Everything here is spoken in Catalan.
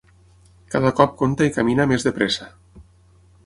Cada cop compta i camina més de pressa.